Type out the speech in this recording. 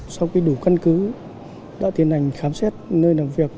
sau khi đủ căn cứ đã tiến hành khám xét nơi làm việc